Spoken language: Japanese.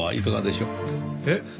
えっ？